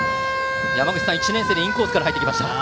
山口さん、１年生でインコースから入ってきました。